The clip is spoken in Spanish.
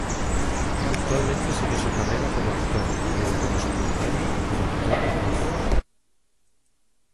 Actualmente sigue su carrera como actor, pero como secundario y como actor de voz.